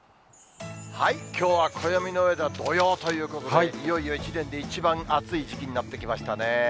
きょうは暦の上では土用ということで、いよいよ１年で一番暑い時期になってきましたね。